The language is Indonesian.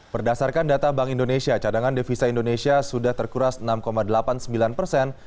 berdasarkan data bank indonesia cadangan devisa indonesia sudah terkuras enam delapan puluh sembilan persen